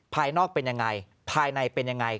ภายนอกเป็นยังไงภายในเป็นยังไง